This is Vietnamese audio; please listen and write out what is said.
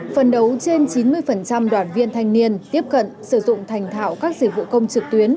phần đấu trên chín mươi đoàn viên thanh niên tiếp cận sử dụng thành thạo các dịch vụ công trực tuyến